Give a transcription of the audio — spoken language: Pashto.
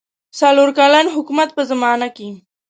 څلور کلن حکومت په زمانه کې.